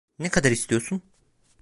Ne kadar istiyorsun?